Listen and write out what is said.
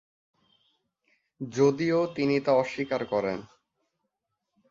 যদিও তিনি তা অস্বীকার করেন।